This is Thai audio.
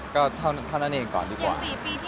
ก็เท่านั้นเองก่อนดีกว่า